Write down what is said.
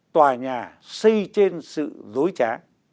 tòa nhà xây trên sự dối trá